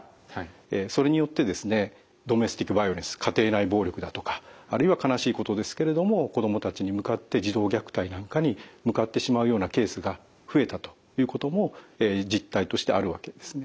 それによってですねドメスティックバイオレンス家庭内暴力だとかあるいは悲しいことですけれども子どもたちに向かって児童虐待なんかに向かってしまうようなケースが増えたということも実態としてあるわけですね。